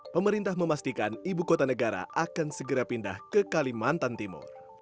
pemerintah memastikan ibu kota negara akan segera pindah ke kalimantan timur